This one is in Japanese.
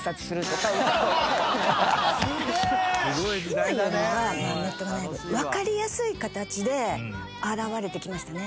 「今よりはネットがない分分かりやすい形で現れてきましたね」